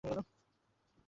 আমিও চেষ্টা করে দেখি!